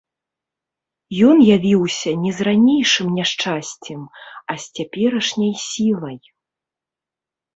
Ён явіўся не з ранейшым няшчасцем, а з цяперашняй сілай.